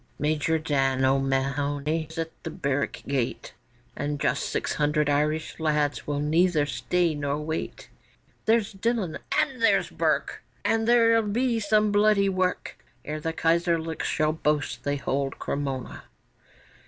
Major Dan O'Mahony is at the barrack gate, And just six hundred Irish lads will neither stay nor wait; There's Dillon and there's Burke, And there'll be some bloody work Ere the Kaiserlics shall boast they hold Cremona.